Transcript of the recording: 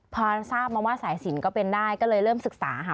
พอทราบมาว่าสายสินก็เป็นได้ก็เลยเริ่มศึกษาค่ะ